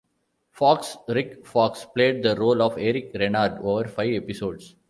Fox, Rick Fox played the role of Eric Renard over five episodes.